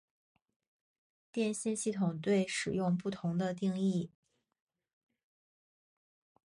电信系统对使用不同的定义。